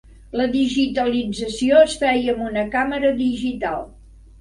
La digitalització es feia amb una càmera digital.